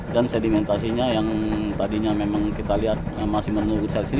dan sedimentasinya yang tadinya memang kita lihat masih menunggu selesai di sini